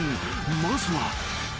［まずは］